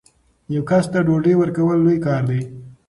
یو کس ته ډوډۍ ورکول لوی کار دی.